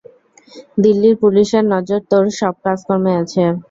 দিল্লির পুলিশের নজর তোর সব কাজকর্মে আছে।